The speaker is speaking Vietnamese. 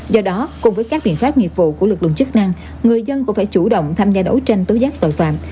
do đó cùng với các biện pháp nghiệp vụ của lực lượng chức năng người dân cũng phải chủ động tham gia đấu tranh tối giác tội phạm